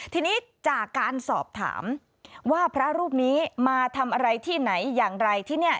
ทีนี้จากการสอบถามว่าพระรูปนี้มาทำอะไรที่ไหนอย่างไรที่นี่